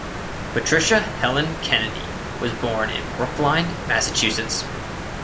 Patricia Helen Kennedy was born in Brookline, Massachusetts.